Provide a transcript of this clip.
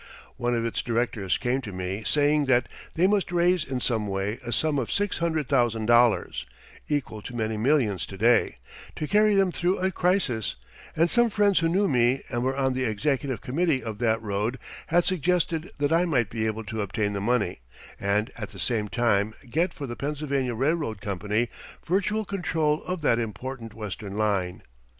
One of its directors came to me saying that they must raise in some way a sum of six hundred thousand dollars (equal to many millions to day) to carry them through a crisis; and some friends who knew me and were on the executive committee of that road had suggested that I might be able to obtain the money and at the same time get for the Pennsylvania Railroad Company virtual control of that important Western line.